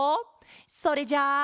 それじゃあ。